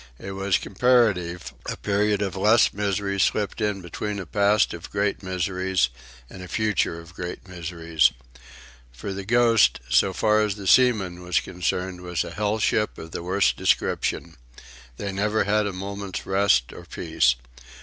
It was comparative, a period of less misery slipped in between a past of great miseries and a future of great miseries. For the Ghost, so far as the seamen were concerned, was a hell ship of the worst description. They never had a moment's rest or peace.